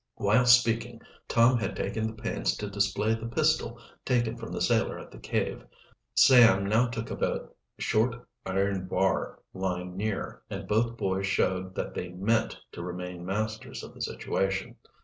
While speaking, Tom had taken the pains to display the pistol taken from the sailor at the cave. Sam now took up a short iron bar lying near, and both boys showed that they meant to remain masters of the situation.